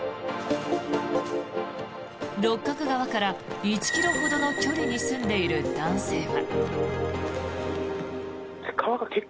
六角川から１ｋｍほどの距離に住んでいる男性は。